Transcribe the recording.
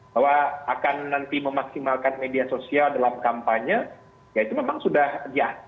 bahwa akan nanti memaksimalkan media sosial dalam kampanye ya itu memang sudah biasa